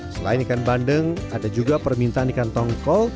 selain ikan bandeng ada juga permintaan ikan tongkol